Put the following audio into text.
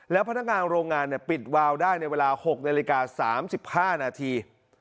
แล้วพนักงานโรงงานปิดวาวได้ในเวลา๖นาฬิกา๓๕นาที